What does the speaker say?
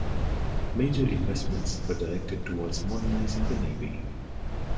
Major investments were directed towards modernizing the navy.